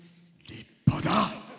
立派だ！